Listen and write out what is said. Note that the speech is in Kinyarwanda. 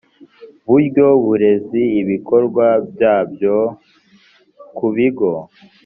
buryo burenze ibikorwa byabyo ku bigo